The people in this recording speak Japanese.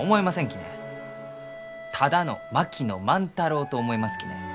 ただの槙野万太郎と思いますきね。